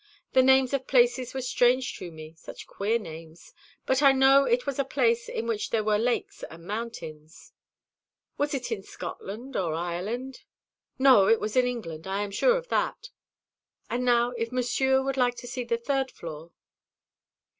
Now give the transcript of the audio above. The names of places were strange to me such queer names but I know it was a place in which there were lakes and mountains." "Was it in Scotland or Ireland?" "No, it was in England. I am sure of that. And now, if Monsieur would like to see the third floor."